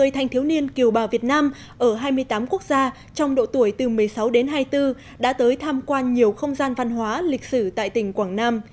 một mươi thanh thiếu niên kiều bào việt nam ở hai mươi tám quốc gia trong độ tuổi từ một mươi sáu đến hai mươi bốn đã tới tham quan nhiều không gian văn hóa lịch sử tại tỉnh quảng nam